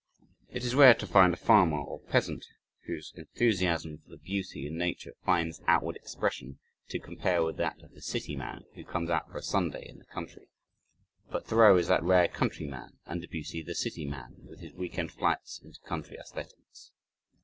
It is rare to find a farmer or peasant whose enthusiasm for the beauty in Nature finds outward expression to compare with that of the city man who comes out for a Sunday in the country, but Thoreau is that rare country man and Debussy the city man with his weekend flights into country aesthetics.